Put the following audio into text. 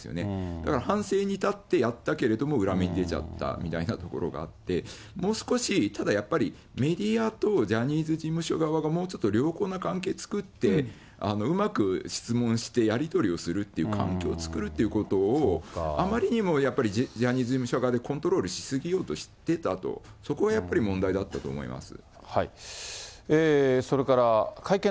だから反省に立ってやったけれども裏目に出ちゃったみたいなところがあって、もう少し、ただやっぱりメディアとジャニーズ事務所側がもうちょっと良好な関係を作って、うまく質問してやり取りをするっていう環境を作るということを、あまりにもやっぱり、ジャニーズ事務所側でコントロールし過ぎようとしていたと、そこがやっぱり、問題だったと思います。